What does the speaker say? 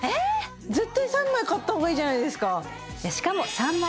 絶対３枚買った方がいいじゃないですか！